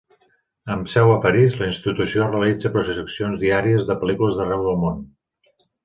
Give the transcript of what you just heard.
Amb seu a París, la institució realitza projeccions diàries de pel·lícules d'arreu del món.